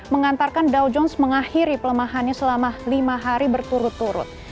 mengantarkan dow jones mengakhiri pelemahannya selama lima hari berturut turut